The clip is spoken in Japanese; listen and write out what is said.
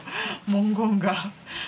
文言が。